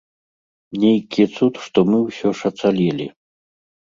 Нейкі цуд, што мы ўсё ж ацалелі.